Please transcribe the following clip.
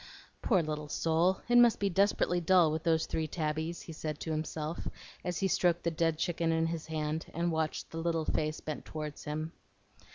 "Poor little soul! it must be desperately dull with those three tabbies," he said to himself, as he stroked the dead chicken in his hand, and watched the little face bent toward him.